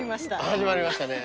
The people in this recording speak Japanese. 始まりましたね